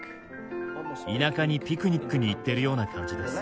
田舎にピクニックに行ってるような感じです。